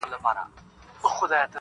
زه لکه سیوری -